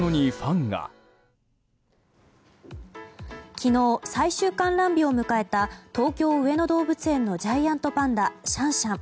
昨日、最終観覧日を迎えた東京・上野動物園のジャイアントパンダシャンシャン。